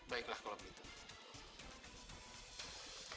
baiklah kalau begitu